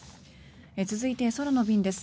続いて、空の便です。